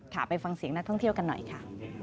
ไปฟังเสียงนักท่องเที่ยวกันหน่อยค่ะ